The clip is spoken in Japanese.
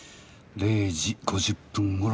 ０時５０分頃。